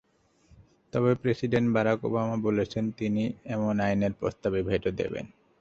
তবে president Barack Obama বলেছেন, তিনি এমন আইনের প্রস্তাবে ভেটো দেবেন।